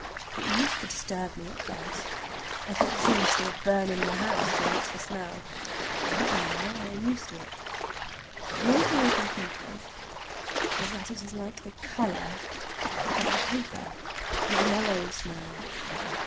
It used to disturb me at first. I thought seriously of burning the house—to reach the smell. But now I am used to it. The only thing I can think of that it is like is the color of the paper! A yellow smell.